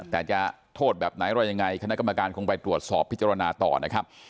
แต่จะโทษแบบไหนอะไรยังไงคณะกรรมการคงไปตรวจสอบพิจารณาต่อนะครับ